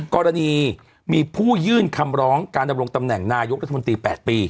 กรณีมีผู้ยื่นคำร้องการดำรงตำแหน่งนายกรัฐมนตรี๘ปี